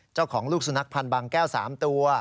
เจ้าของลูกสุนัขพันธ์บางแก้ว๓ตัว